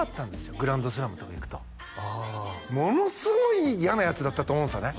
グランドスラムとか行くとものすごい嫌なヤツだったと思うんですよね